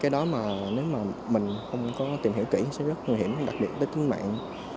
đó mà nếu mà mình không có tìm hiểu kỹ sẽ rất nguy hiểm đặc biệt đến tính mạng